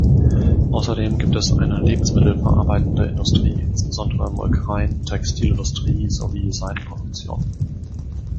Außerdem gibt es eine Lebensmittel verarbeitende Industrie, insbesondere Molkereien, Textilindustrie sowie Seidenproduktion.